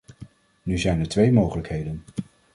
Nu zijn er twee mogelijkheden.